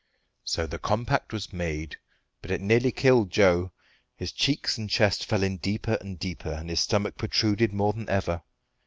So the compact was made; but it nearly killed Joe. His cheeks and chest fell in deeper and deeper, and his stomach protruded more than ever.